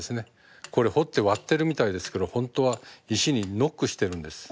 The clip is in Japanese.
これ彫って割ってるみたいですけど本当は石にノックしてるんです。